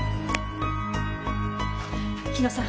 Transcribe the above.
日野さん